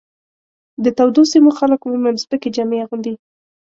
د تودو سیمو خلک عموماً سپکې جامې اغوندي.